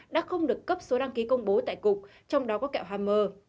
đã không được cấp số đăng ký công bố tại cục trong đó có kẹo hammer